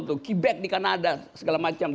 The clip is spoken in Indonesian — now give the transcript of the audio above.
quebec di kanada segala macam